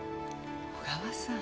小川さん。